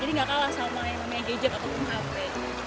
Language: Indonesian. jadi nggak kalah sama yang namanya gejek atau pun hp